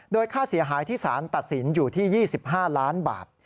โดยค่าเสียหายที่สารตัดสินอยู่ที่๒๕ล้านบาท